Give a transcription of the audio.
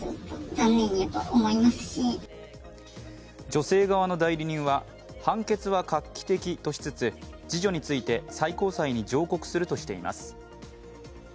女性側の代理人は、判決は画期的としつつ、次女について最高裁に上告するとしています。